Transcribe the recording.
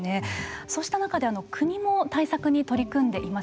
そうした中で国も対策に取り組んでいます。